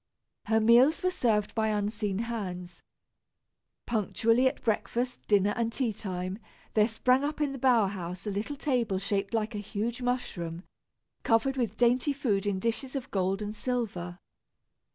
Her meals were served by unseen hands. Punctually at breakfast, dinner, and tea time, there sprang up in the bower house a little table shaped like a huge mushroom, covered with dainty food in dishes of gold and silver.